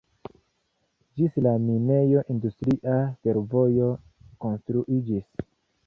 Ĝis la minejo industria fervojo konstruiĝis.